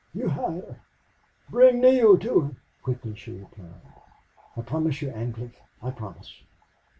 You hide her bring Neale to her." Quickly she replied, "I promise you, Ancliffe, I promise...